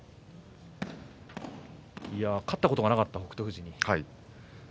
勝ったことがなかった北勝富士。